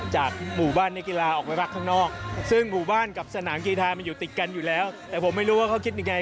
จากหมู่บ้านนักกีฬาออกไปพักข้างนอกซึ่งหมู่บ้านกับสนามกีธามันอยู่ติดกันอยู่แล้วแต่ผมไม่รู้ว่าเขาคิดยังไง